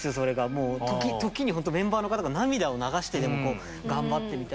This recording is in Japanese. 時にほんとメンバーの方が涙を流してでも頑張ってみたいな。